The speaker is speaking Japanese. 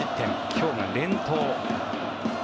今日が連投。